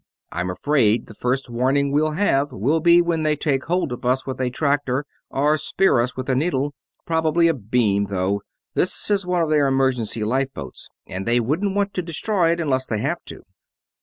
I'm afraid the first warning we'll have will be when they take hold of us with a tractor or spear us with a needle. Probably a beam, though; this is one of their emergency lifeboats and they wouldn't want to destroy it unless they have to.